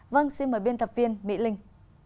vâng xin mời biên tập viên mỹ linh